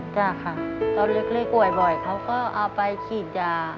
จ้ะค่ะตอนเล็กป่วยบ่อยเขาก็เอาไปฉีดยา